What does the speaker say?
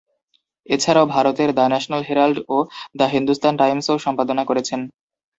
এছাড়াও ভারতের ‘the National Herald’ ও ‘দ্য হিন্দুস্তান টাইমস’ও সম্পাদনা করেছেন।